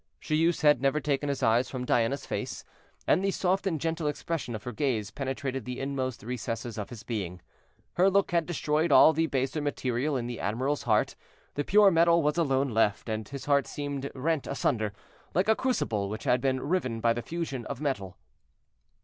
Joyeuse had never taken his eyes from Diana's face, and the soft and gentle expression of her gaze penetrated the inmost recesses of his being. Her look had destroyed all the baser material in the admiral's heart: the pure metal was alone left, and his heart seemed rent asunder, like a crucible which had been riven by the fusion of metal.